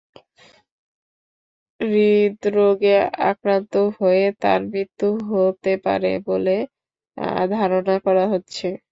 হূদরোগে আক্রান্ত হয়ে তাঁর মৃত্যু হতে পারে বলে ধারণা করা হচ্ছে।